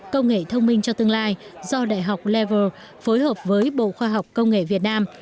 công nghệ thông minh cho tương lai do đại học lever phối hợp với bộ khoa học công nghệ việt nam